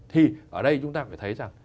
thì ở đây chúng ta phải thấy rằng